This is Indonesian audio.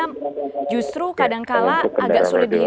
justru kadangkala agak sulit dihitung